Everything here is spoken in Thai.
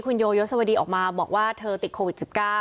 คุณโยยศวดีออกมาบอกว่าเธอติดโควิด๑๙